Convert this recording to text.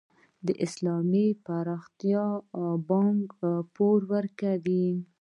د اسلامي پراختیا بانک پور ورکوي؟